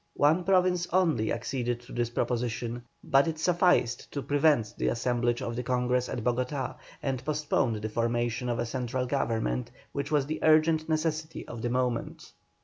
One province only acceded to this proposition, but it sufficed to prevent the assemblage of the Congress at Bogotá, and postponed the formation of a central government, which was the urgent necessity of the moment.